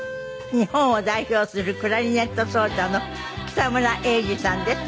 日本を代表するクラリネット奏者の北村英治さんです。